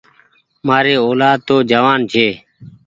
مآري اولآد تو جوآن ڇي۔